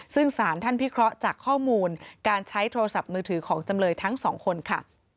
ซึ่งสารท่านพิเคราะห์จากข้อมูลการใช้โทรศัพท์มือถือของจำเลยทั้งสองคนค่ะ